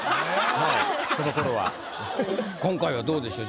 はいこのころは。今回はどうでしょう